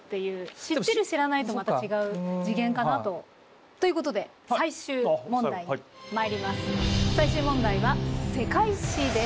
知ってる知らないとまた違う次元かなと。ということで最終問題は「世界史」です。